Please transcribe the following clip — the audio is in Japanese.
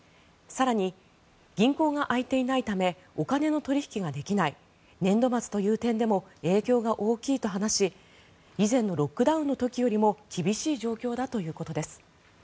更に、銀行が開いていないためお金の取引ができない年度末という点でも影響が大きいと話し以前のロックダウンの時よりも厳しい状況だということです。